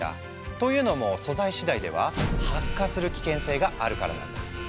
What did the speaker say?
というのも素材次第では発火する危険性があるからなんだ。